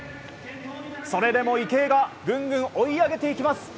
それでも池江がどんどん追い上げていきます。